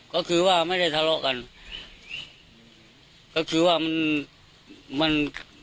ก็คือว่าไม่ได้ทะเลาะกัน